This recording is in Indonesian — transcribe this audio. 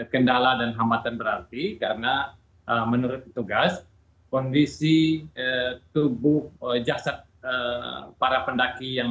kendala dan hambatan berarti karena menurut petugas kondisi tubuh jasad para pendaki yang